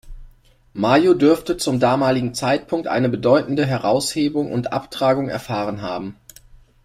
Maio dürfte zum damaligen Zeitpunkt eine bedeutende Heraushebung und Abtragung erfahren haben.